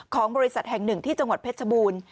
ของบริษัทแห่งหนึ่งที่จังหวัดเพชรบูรณ์